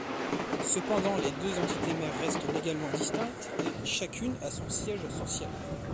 Cependant les deux entités mères restent légalement distinctes et chacune a son siège social.